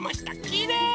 きれい！